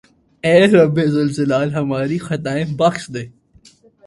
اے رب ذوالجلال ھماری خطائیں بخش دے